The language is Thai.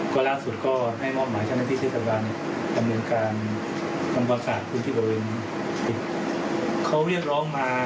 ก็ต้องดูระเบียบที่เฉียบข้อง